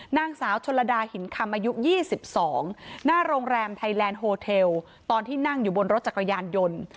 นางสาวชนลดาหินคำอายุ๒๒หน้าโรงแรมไทยแลนด์โฮเทลตอนที่นั่งอยู่บนรถจักรยานยนต์